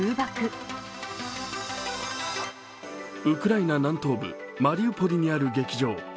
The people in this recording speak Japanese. ウクライナ南東部マリウポリにある劇場。